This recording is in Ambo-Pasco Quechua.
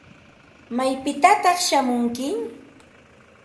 ¿Maypitataq shamunki?